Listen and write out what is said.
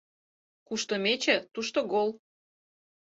Кушто мече, тушто гол.